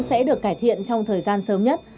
sẽ được cải thiện trong thời gian sớm nhất